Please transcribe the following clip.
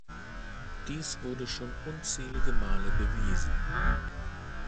Dies wurde schon unzählige Male bewiesen.